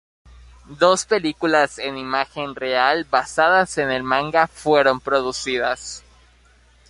Dos películas en imagen real basadas en el manga fueron producidas.